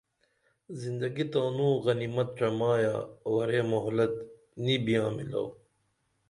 زندگی تانوں غنیمت ڇمئیمہ ورے مہلت نی بیاں مِلو